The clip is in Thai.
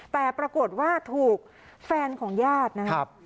แต่ปรากฏว่าถูกแฟนของญาตินะครับ